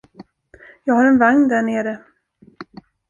Jag har en vagn där nere.